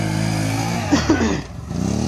আমি তা মনে করছি না।